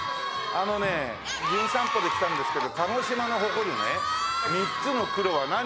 あのね『じゅん散歩』で来たんですけど鹿児島の誇るね三つの黒は何かな？